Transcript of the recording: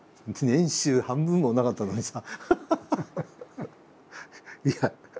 年収半分もなかったのにさ。